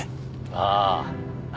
ああ。